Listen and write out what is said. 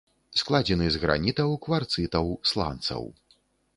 Складзены з гранітаў, кварцытаў, сланцаў.